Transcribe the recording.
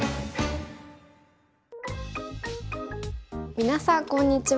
皆さんこんにちは。